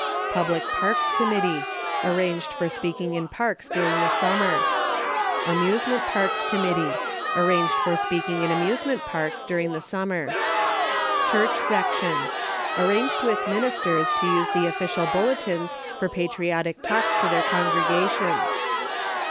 Public Parks Committee. Arranged for speaking in parks during the summer. Amusement Parks Committee. Arranged for speaking in amuse ment parks during the summer. Church Section. Arranged with ministers to use the official bulle tins for patriotic talks to their congregations.